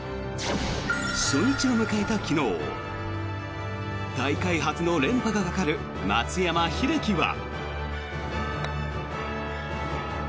初日を迎えた昨日大会初の連覇がかかる松山英樹は。